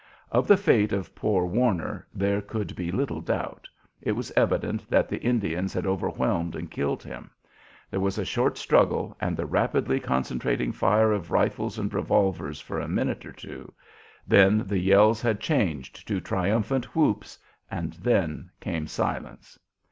Of the fate of poor Warner there could be little doubt. It was evident that the Indians had overwhelmed and killed him. There was a short struggle and the rapidly concentrating fire of rifles and revolvers for a minute or two; then the yells had changed to triumphant whoops, and then came silence.